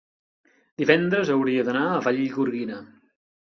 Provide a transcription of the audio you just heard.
divendres hauria d'anar a Vallgorguina.